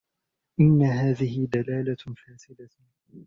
إنَّ هَذِهِ دَلَالَةٌ فَاسِدَةٌ